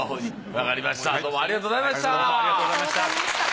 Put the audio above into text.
わかりましたどうもありがとうございました。